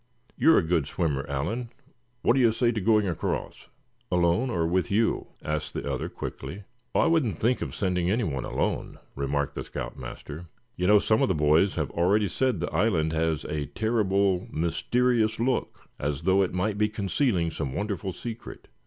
You're a good swimmer, Allan, what do you say to going across?" "Alone, or with you?" asked the other, quickly. "Oh! I wouldn't think of sending any one alone," remarked the scout master. "You know, some of the boys have already said the island had a terrible mysterious look, as though it might be concealing some wonderful secret.